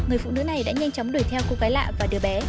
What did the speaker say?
người phụ nữ này đã nhanh chóng đuổi theo cô gái lạ và đứa bé